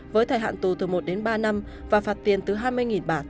với thời hạn tù từ một đến ba năm và phạt tiền từ hai mươi bạt